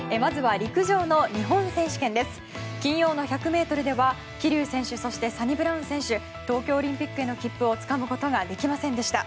金曜の１００ｍでは桐生選手そしてサニブラウン選手東京オリンピックへの切符をつかむことができませんでした。